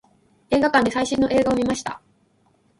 映画館で最新の映画を見ました。